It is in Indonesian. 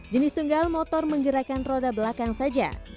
jenis tunggal motor menggerakkan roda belakang saja